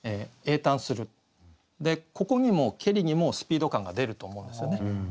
でここにも「けり」にもスピード感が出ると思うんですよね。